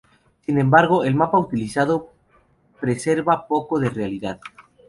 Sin embargo el mapa utilizado preserva poco de realidad.